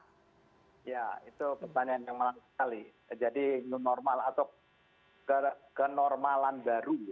pertanyaan yang paling paling jadi new normal atau kenormalan baru